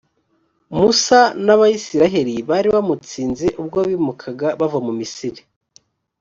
musa n’abayisraheli bari bamutsinze ubwo bimukaga bava mu misiri,